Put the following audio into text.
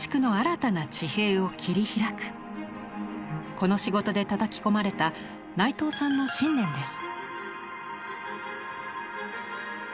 この仕事でたたき込まれた内藤さんの信念です。